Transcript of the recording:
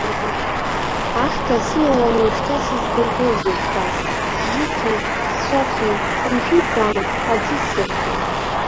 Ахьҭа сылалан уажәшьҭа сызбыргозеи, дад, сжьы цом, сцәа цом, уажәы иббама, аӡы сзырхиа.